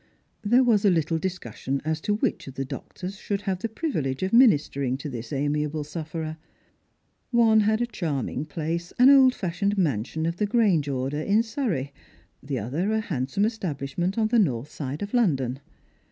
There was a little discussion as to which of the doctors should have the privilege of ministering to this amiable sufferer. Oue had a charming place — an old fashioned mansion of the Grange order in Surrey ; the other a handsome establishment on the north side of London.